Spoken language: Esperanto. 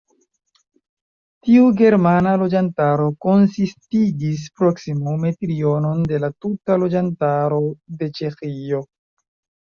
Tiu germana loĝantaro konsistigis proksimume trionon de la tuta loĝantaro de Ĉeĥio.